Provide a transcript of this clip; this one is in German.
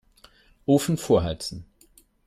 Ofen vorheizen.